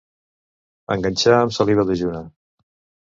Enganxar amb saliva dejuna.